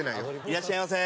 いらっしゃいませ。